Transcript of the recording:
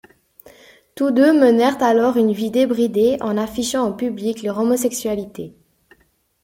Tous deux menèrent alors une vie débridée en affichant en public leur homosexualité.